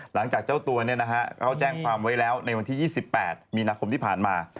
หลังจากเจ้าตัวเขาแจ้งความไว้แล้วในวันที่๒๘มีนาคมที่ผ่านมา